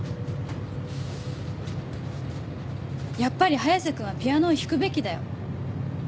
やっぱり早瀬君はピアノを弾くべきだよ。